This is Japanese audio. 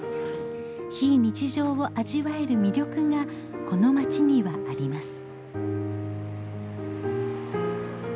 非日常を味わえる魅力がこの街にはあります。